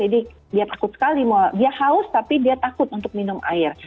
jadi dia takut sekali dia haus tapi dia takut untuk minum air